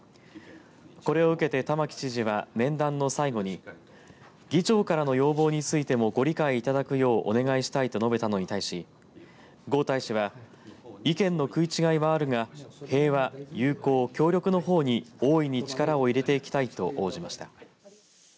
これを受けて玉城知事は面談の最後に議長からの要望についてもご理解いただくようお願いしたいと述べたのに対し、呉大使は意見の食い違いはあるが平和、友好、協力のほうに大いに力を入れていきたいと応じました。